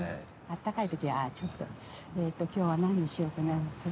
あったかい時はちょっとえと今日は何にしようかな？